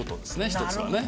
１つはね。